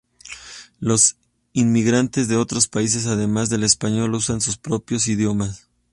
Los inmigrantes de otros países, además del español, usan sus propios idiomas.